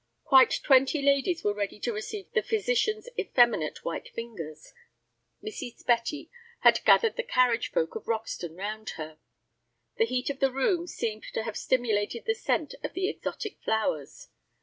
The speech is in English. Quite twenty ladies were ready to receive the physician's effeminate white fingers. Mrs. Betty had gathered the carriage folk of Roxton round her. The heat of the room seemed to have stimulated the scent of the exotic flowers.